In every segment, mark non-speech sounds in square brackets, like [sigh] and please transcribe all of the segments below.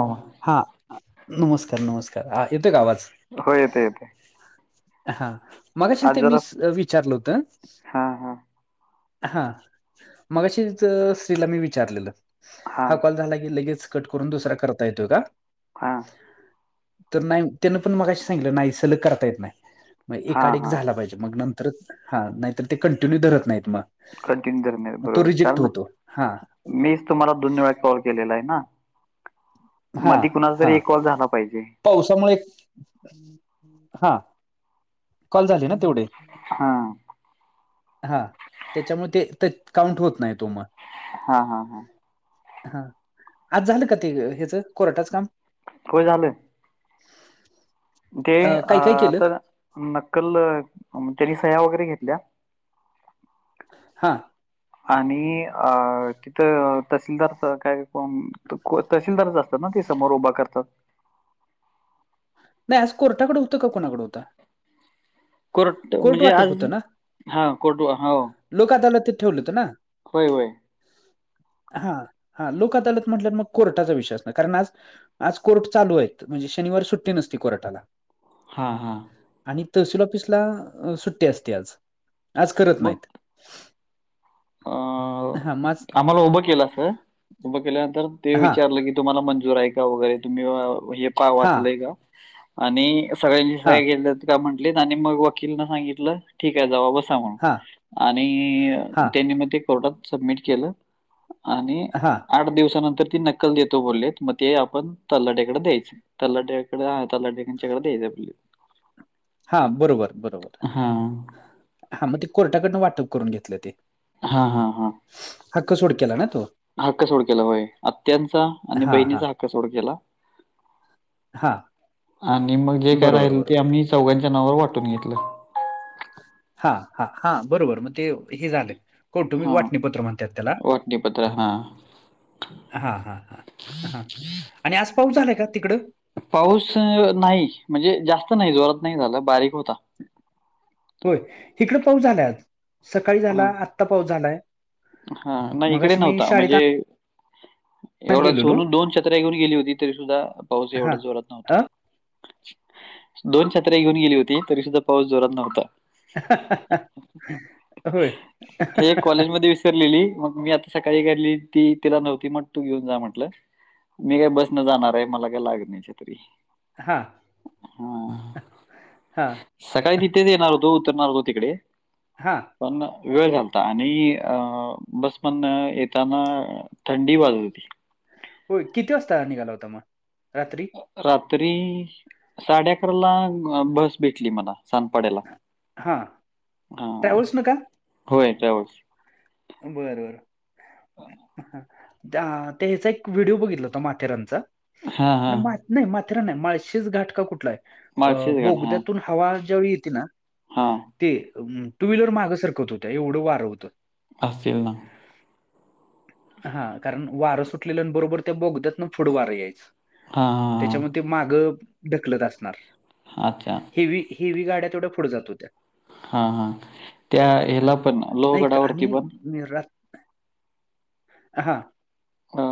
हो हा, नमस्कार, नमस्कार, हा येतोय का आवाज? ते ते. हा मगाशीच ते मीच विचारलं होतं हा हा हा मगाशीच अ श्रीला मी विचारलेलं हा कॉल झाला की लगेच कट करून दुसरा करता येतोय का? हा. तर नाही, त्यान पण मगाशी सांगितलं नाही सलग करता येत नाही, म्हण हा एकाड एक हा झाला हा पाहिजे. मग नंतरच हा, नाहीतर ते कंटिन्यू धरत नाहीत मग कंटिन्यू धरत नाही, मग तो बरोबर रिजेक्ट कारण ना होतो." हां, मीच तुम्हाला दोन वेळा कॉल केलेला आहे ना? हां, मधी कुणाचा तरी हां. एक कॉल झाला पाहिजे. पावसामुळे हा, कॉल झाले ना तेवढे हां, हा, त्याच्यामुळे ते-ते काउंट होत नाही तो मग हा-हा-हा, हा, आज झालं का? ते अ हेचं कोर्टाचं काम होय झालंय. ते अ, काय काय केलं? आता नक्कल अ अम त्यांनी सह्या वगैरे घेतल्या हा, आणि आ तिथं तहसीलदाच काय काम तहसीलदारच असतात ना, ते समोर उभा करतात. नाही, आज कोर्टाकडं होतं का कुणाकडं हुत? कोर्ट म्हणजे आज होतं ना? हा कोर्ट वा हाव लोक अदालतीत ठेवलं होत ना व्हय-व्हय. हा-हा, लोक अदालत म्हटल्यावर मग कोर्टाचा विषय असणार कारण आज आज कोर्ट चालू आहेत म्हणजे शनिवार सुट्टी नसती कोर्टाला. हा-हा, आणि तहसील ऑफिसला सुट्टी असते आज, आज करत मग नाहीत. अ हां, मग आज आम्हाला उभं केलं अस, उभं केल्यानंतर ते हां, विचारलं की तुम्हाला मंजूर आहे का वगैरे तुम्ही अ हे पाहा हां, वाचलंय का आणि सगळ्यांच्या हां, सह्या घेतल्यात का म्हंटलेत आणि मग वकील न सांगितलं ठीक आहे जावा बसा हां, आणि अ हां, त्यांनी ते मग कोर्टात सबमिट केलं आणि हां, आठ दिवसानंतर ती नक्कल देतो बोललेत, मग ते आपण तलाठ्याकड द्यायची. तलाठ्यांकड तलाठ्यांच्याकड द्यायचं आपलं हा बरोबर -बरोबर हा, मग ते कोर्टाकडन वाटप करून घेतलं ते हा-हा-हा, हक्क सोड केला ना तो. हक्क सोड केला होय, आत्यांचा आणि हां, हां, बहिणीचा हक्क सोड केला. हां. आणि मग जे काय बरोबर, राहिलं बरोबर. ते आम्ही चौघांच्या नावावर वाटून घेतलं. हा-हा-हा, बरोबर मग ते हे झालय कौटुंबिक हा वाटणीपत्र म्हणत्यात त्याला वाटणीपत्र हा हा-हा-हा-हा, आणि आज पाऊस झालाय का तिकडं? पाऊस नाही, म्हणजे जास्त नाही जोरात नाही झाला बारीक होता. होय, हिकडं पाऊस झालाय आज. सकाळी हा झाला, आत्ता पाऊस झालाय, हा नाही इकडे मगाशी मी नव्हता शाळेत म्हणजे आ एवढा सोनू दोन छत्र्या घेऊन गेली होती तरी सुद्धा पाऊस हां. एवढा जोरात नव्हता. अ? दोन छत्र्या घेऊन गेली होती तरी सुद्धा पाऊस जोरात नव्हता. [unintelligible] अ होय. एक कॉलेज मध्ये विसरलेली मग मी आता सकाळी काडली ती तिला नव्हती मग तू घेऊन जा म्हटलं मी काय बसने जाणार आहे. मला काय लागे नाही छत्री. हां, हा. हां, सकाळी तिथेच येणार होतो. उतरणार होतो तिकडे. हां, पण ना, वेळ झालता आणि अ बस पण येताना थंडी वाजत होती. होय. किती वाजता निघाला होता मग रात्री. रात्री साडे अकराला बस भेटली मला. सांनपाड्याला हां. हा ट्रॅव्हल्सनं का? होय ट्रॅव्हल्स. बर बरं. अह, त्या त्यायचा एक व्हिडिओ बघितला होता माथेरानचा. हां, हां. माथ नाही माथेरान नाही माळशेज घाट का कुठला आहे? अ माळशेजगड. बोगद्यातून हवा ज्यावेळी येते ना, हा, ते टू व्हीलर मागं सरकत होत्या. एवढं वार होतं. असेल ना, हा कारण वारं सुटलेलं न बरोबर त्या बोगत्यातन पुढं वारं यायच. हा.., त्याच्यामुळ ते मागं ढकलत असणार. अच्छा. हेव्ही हेव्ही गाड्या तेवढ्या पुढे जात होत्या. हा हा, त्या याला पण लोहगडावरती पण निरातं हां, अ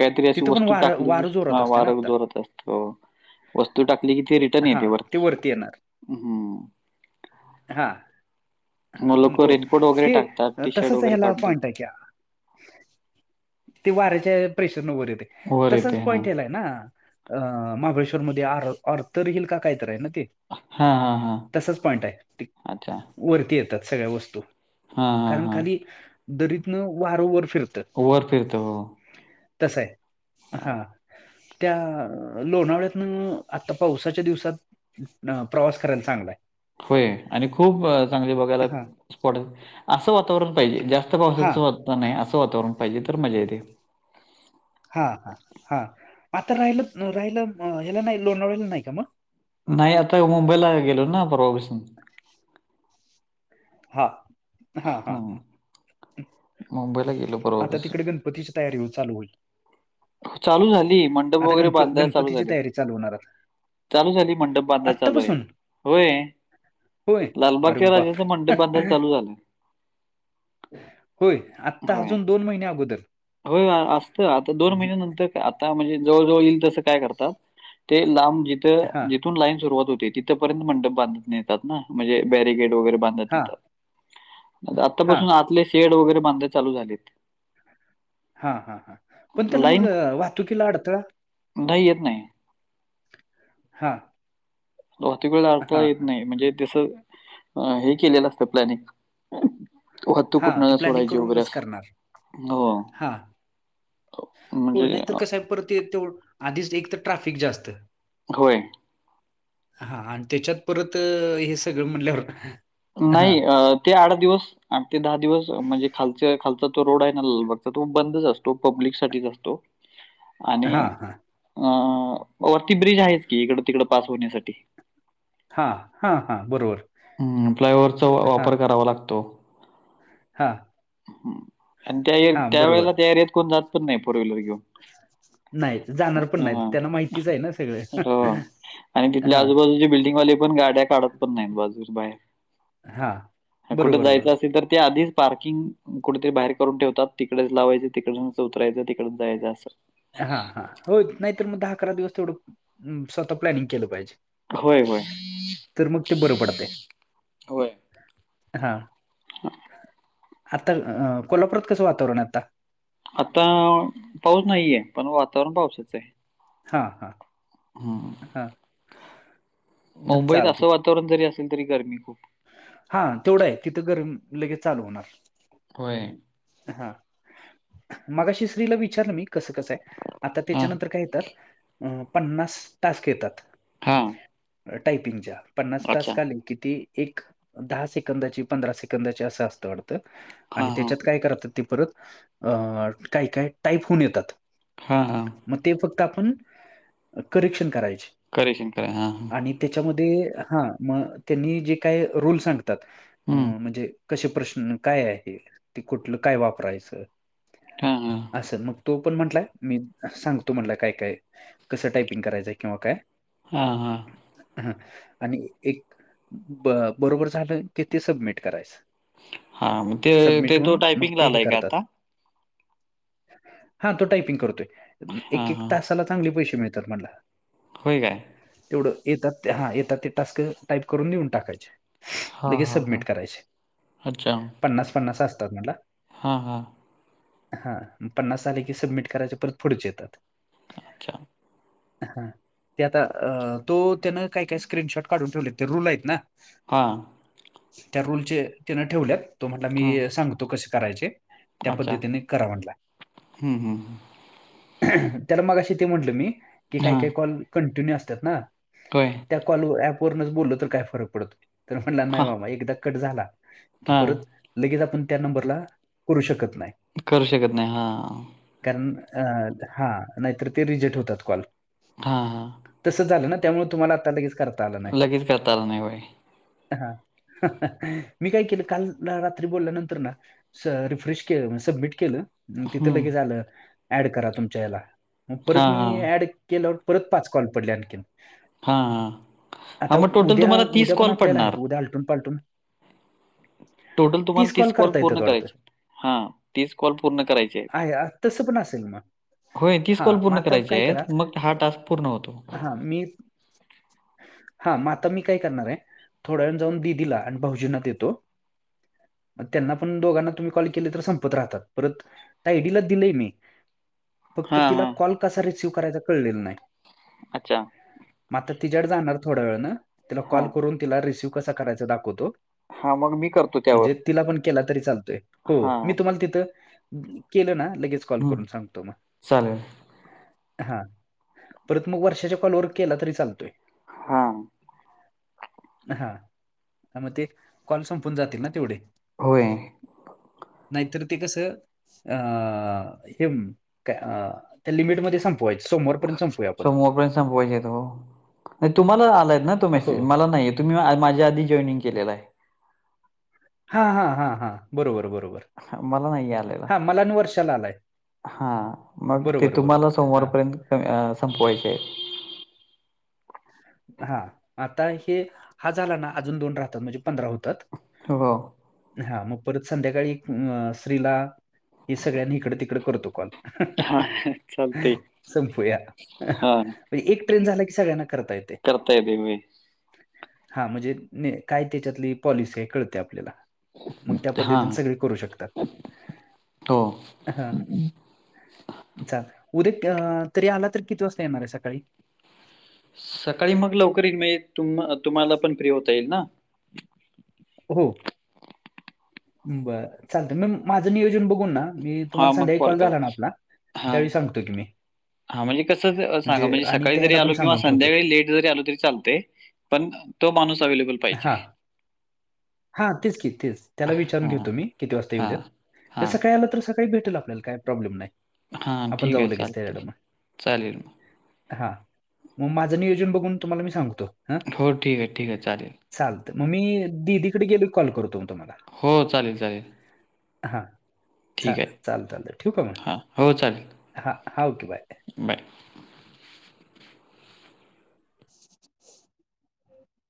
काहीतरी अशी तिथं पण वस्तू वारं टाकली वारं जोरात हा असतंय ना वार आत्ता. जोरात असतो. वस्तू टाकली कि ते रिटर्न येते हां, ते वरती. हम्म, हा, हा, लोक हो रेनकोट वगैरे ते टाकतात, टी शर्ट तसच वगैरे ह्याला काढून पॉईंट टाकतात. आहे क्या. ते वाऱ्याच्या प्रेशरन वर येते. वर येते. तसच हां. पॉइंट ह्याला आहे ना, अ महाबळेश्वर मध्ये आर ऑर्थर हिल का काय तर आहे ना ते. हां, हां, हां. तसचं पॉइंट आहे. अच्छा. वरती येतात. सगळ्या वस्तू हां, हां, कारण हां. खाली दरीतनं वारंवर फिरत. वर फिरत हो. तसा आहे. हां. हा, त्या लोणावळ्यातनं आता पावसाच्या दिवसात न प्रवास करायला चांगलाय. होय. आणि खूप चांगले बघायला हा स्पॉट असं वातावरण पाहिजे जास्त हा पावसाच वाता च नाही. असं वातावरण पाहिजे तर मजा येते. हा हा हा, आता राहिलत राहिला हेला नाही लोणावळा नाही का मग? नाही आता मुंबईला गेलो ना, परवापासून. [unintelligible] हा, हा हा हा, हां. मुंबईला गेलो आता परवापासून. तिकडे गण गणपतीची तयारी हो चालू होईल. चालू झाली. मंडप आता वगैरे गणप बांधायला चालू गणपतीची झाले. तयारी चालू होणार आता चालू झाली. मंडप बांधाय चालू आहेत. आत्तापासून होय. होय अरे लालबागच्या बाप राजाचा मंडप [unintelligible] चालू झालंय. होय आत्ता होय. अजून दोन महिन्या अगोदर. होय असतंय. दोन हम्म. महिन्यानंतर आता म्हणजे जवळ जवळ येईल तसं काय करतात ते लांब जिथ. हा लाईन सुरुवात होते, तिथपर्यंत मंडप बांधत नेतात ना म्हणजे बॅरिगेट वगैरे बांधत हा नेतात. हा आतापासून आतले शेड वगैरे बांधय चालू झालेय. हा हा हां पण त्याला मग लाईन वाहतुकीला अडथळा. नाही येत नाही. हां बहुतेक वेळा अडथळा येत नाही म्हणजे तसं हे केलेलं असतं प्लॅनिंग. हो वाहतूक हा ते कुठण प्लॅनिंग सोडायची वगैरे करूनच अस करणार हो! हा हो म्हणजे नाहीतर अं, कसं आहे परत ते आधीच एक तर ट्राफिक जास्त. होय. हा आणि त्याच्यात परत हे सगळं म्हणल्यावर. हा नाही ते आठ दिवस ते दहा दिवस म्हणजे खालच खाल. तो रोड आहे ना बघ तो बंदच असतो पब्लिक साठीच असतो आणि हा हा हो वरती ब्रिज आहेच की इकड तिकड पास होण्यासाठी. हा हा हा बरोबर. फ्लायओव्हरचा वापर करावा लागतो. हां! ह आणि त्या त्या बरोबर वेळेला एरियात कोणी जात पण नाही फोर व्हीलर घेऊन. नाहीत जाणार पण नाहीत हां, त्यांना माहितीच आहे ना सगळे. हो आणि तिथल्या आजूबाजूची बिल्डिंगवाली पण गाड्या काढत पण नाहीत बाजू हां. बाहेर. कुठे बरोबर, बरोबर. जायचं असेल तर ते आधीच. पार्किंग कुठेतरी बाहेर करून ठेवतात तिकडेच लावायचं तिकडच उतरायचं तिकड जायचं असं. हा हा होत नाही तर मग दहा अकरा दिवस तेवढं स्वतः प्लॅनिंग केलं पाहिजे. होय होय. तरमुक्त बर पडते हा हा आता कोल्हापुरात कसं वातावरण आहे आता. आता पाऊस नाहीये पण वातावरण पावसाच आहे. हां हा मुंबईत असं चालतंय वातावरण जरी असेल तरी गरमी खूप आहे. हा तेवढा आहे तिथ गरम लगेच चालू होणार. होय. हा, मगा शिरीला विचारलं मी. कसं कसंय आता हां. त्याच्यानंतर काय येतात पन्नास टास्क येतात. हा टायपिंगच्या पन्नास तासक आले कि ती. एक दहा सेकंदाची पंधरा सेकंदाची असं असतं वाटतं आणि हां, हां. त्याच्यात काय करतात. ते परत अ काय काय टाईप होऊन येतात. हां हां मग ते फक्त आपण करेक्शन करायचे. करेशन करयचे हा हा आणि त्याच्यामध्ये हा मग त्यांनी जे काय रूल सांगतात हं. म्हणजे कसे प्रश्न, काय आहे हे? ते कुठलं काय वापरायचं? हां, हां. असं मग तो पण म्हटलाय मी सांगतो म्हटलाय काय काय कसं टायपिंग करायचंय किंवा काय हा हा ह आणि एक ब बरोबर झालं कि ते सबमिट करायचं. हां, मग ते ते सबमिट तो हुन मग टायपिंगला ते हे आलाय का आता? करतात हा तो टायपिंग करतोय एक हां, एक हां. तासाला चांगले पैसे मिळतात म्हणला. हो काय तेवढं येतात हा येतात ते टास्क टाईप करून लिहून टाकायचे. हां, लगेच हां, हां. सबमिट करायचे पन्नास पन्नास असतात म्हणला हा हां हा पन्नास झाले की सबमिट करायच परत पुढचे येतात. अच्छा. हा ते आता तो त्यानं काही काय स्क्रीनशॉट काढून ठेवलेत ते रुल आहेत ना. हां त्या रूलचे तिनं ठेवल्यात, तो म्हटला हां. मी सांगतो कसे करायचे. त्या अच्छा. पद्धतीने करा म्हटलाय. हं, हं, हं. त्याला मगाशी ते म्हटलं मी की काही हां. काही कॉल कंटिन्यू असतात ना होय त्या कॉल ऍप वरूनच बोललो तर काय फरक पडतोय, तर म्हणला नाही हां, मामा एकदा कट झाला परत हां. लगेच आपण त्या नंबरला करू शकत नाही. करू शकत नाही हा कारण हा नाहीतर ते रिजेट होतात कॉल हा हा तसं झालं ना त्यामुळे तुम्हाला आता लगेच करता आलं नाही. लगेच करता आलं नाही व्हय हा मी काय केलं काल रात्री बोलल्या नंतर ना रिफ्रेश के सबमिट केलं तिथं हं. लगेच आलं ऍड करा तुमच्या याला मग परत हां, मी हां. ऍड केलं परत पाच कॉल पडले आणखीन हा हा हा मग टोटल तुम्हाला तीस उद्या पण कॉल आपल्याला पडणार. आहेत उद्या आलटून पालटून टोटल तुम्हाला तीस कॉल करता येतात पूर्ण वाढतं. करायचे आहेत. हां, कॉल पूर्ण करायचे आहेत. आहे तसं पण असेल मग होय, हा कॉल मग पूर्ण आता करायचे काय करा आहेत. मग हा टास्क पूर्ण होतो. हा मी हा आता मी काय करणार आहे थोड्या वेळानं जाऊन दिदिला आणि भाऊजींना देतो. मग त्यांना पण दोघांना तुम्ही कॉल केले तर संपत राहतात परत आयडीला दिलंय मी फक्त हां, तिला हां. कॉल कसा रिसिव करायचा कळलेला नाही अच्छा मग आता तिच्याकड जाणार थोड्या वेळानं तिला हां. कॉल करून तिला रिसिव कसा करायच दाखवतो. हा मग मी करतो त्यावर म्हणजे तिला पण केला तरी चालतोय, हो मी हां. तुम्हाला तिथ केलं ना लगेच कॉल हं. करून सांगतो मगं चालेल. हा परत मग वर्षाच्या कॉलवर केला तरी चालतोय. हा हा मग ते कॉल संपून जातील ना तेवढे होय. [unintelligible] [inaudible] नैतृतिकसं अ [inaudible] हे का [inaudible] त्या लिमिटमध्ये सांग स [unintelligible] [inaudible] [inaudible] [unintelligible] सो मोपयस पोयचेत हो नाही तुम्हाला आलायत ना तो हो मेसेज मला नाही [inaudible] आहे तुम्ही माझ्या आधी जॉइनिंग केलेला आहे. हा! हा! हा! हा बरोबर, बरोबर मला नाहीये आलेला. हा मलान वर्षाला आलाय. हा, मग ते बरोबर तुम्हाला बरोबर हा सोमवारपर्यंत संपवायचेय. हा आता हे हा झाला ना. अजून दोन राहतात. म्हणजे पंधरा होतात. [unintelligible] [inaudible] हो हा मग परत संध्याकाळी [inaudible] स्त्रीला हे सगळ्यांनी इकडे, तिकड करतो कॉल. हा चालतंय [unintelligible] [inaudible] संपूया हा म्हणज एक ट्रेन [inaudible] झा [inaudible] कीगळ्यांना करता ये करता येते मी. हा म्हणजे न काय त्याच्यातली पॉलिसी आहे. कळते आपल्याला. मग त्या हा पद्धतीने सगळे करू शकतात. हो हा [inaudible] ल उद्या तरी आला तर किती वाजता येणार आहे सकाळी. सकाळी मग लवकर [inaudible] त तुम्हाला पण फ्री होता येईल ना. हो, बर चालत मग माझं नियोजन बघून ना. मी हा तुम्हाला मग संध्याकाळी कॉल करा. झाला ना आपला, हा त्यावेळी सांगतो की मी. हा म्हणजे कसं सांगा म्हणजे आणि सकाळी जरी त्याला पण आलो किंवा सांगून ठेवतो संध्याकाळी लेट जरी आलो तरी लते. पण तो माणूस अवेलेबल पाहिजे. हा तेच की तेच, त्याला विचारून घेऊ हा तुम्ही किती वाजता येऊ हा द्यात. हा सकाळी आला तरका [inaudible] काही भेटेल आपल्याला काही प्रॉब्लेम नाही. हां आपण ठीक जाऊ आहे. लगेच चालेलते त्याच्याकडे चालेल मग. हा, मग माझं नियोजन बघून तुम्हाला मी सांगतो ह. [inaudible] होछ ठीक आहे. ठीक [inaudible] चालेल चालत मग मी दीदीकडे [inaudible] गेले कॉल करतो मग तुम्हाला. हो चालेल चालेल. हा. चाल ठीक आहे. [inaudible] चाल [inaudible] ठठीक आहे म हां हो चालेल हाा ओके बाय बाय.